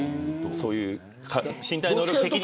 身体能力的には。